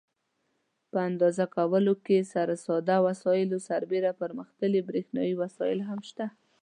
په اندازه کولو کې پر ساده وسایلو سربېره پرمختللي برېښنایي وسایل هم شته.